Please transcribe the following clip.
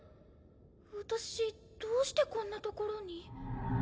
私どうしてこんなところに？